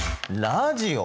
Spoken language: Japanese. ラジオ。